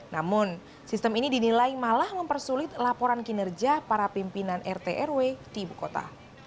namun sistem ini dinilai malah mempersulit laporan kinerja para pimpinan rt rw di ibu kota